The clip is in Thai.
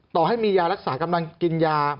ต่อให้มียารักษากำลังกินยา